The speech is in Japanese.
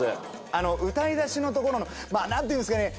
あの歌い出しのところのまあなんていうんですかね